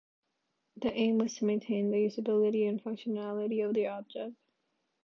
The aim was to maintain the usability and functionality of the object.